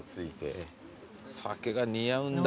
酒が似合うんだ。